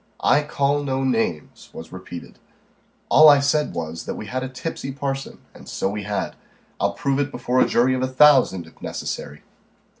"I call no names," was repeated. "All I said was, that we had a tipsy parson and so we had. I'll prove it before a jury of a thousand, if necessary."